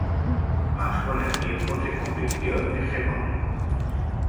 Más con el tiempo, se convirtió hegemónico.